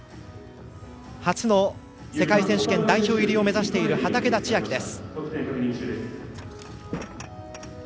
初の世界選手権代表入りを目指している畠田千愛です。